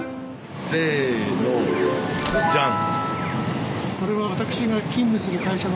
せのじゃん。